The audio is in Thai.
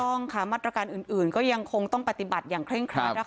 ต้องค่ะมาตรการอื่นก็ยังคงต้องปฏิบัติอย่างเร่งครัดนะคะ